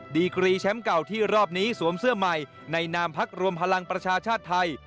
ดีกรีแชมป์เก่าที่รอบนี้สวมเสื้อใหม่ในนามพักรวมพลังประชาชาติไทย